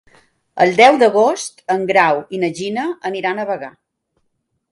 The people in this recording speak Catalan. El deu d'agost en Grau i na Gina aniran a Bagà.